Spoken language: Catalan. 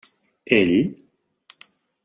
Ell?